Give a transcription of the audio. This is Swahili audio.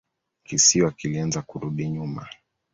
Kisiwa kilianza kurudi nyuma.